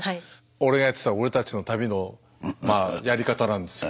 俺がやってた「俺たちの旅」のやり方なんですよ。